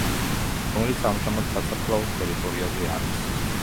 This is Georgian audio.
რომელიც ამჟამად სასაფლაოს ტერიტორიაზე არის.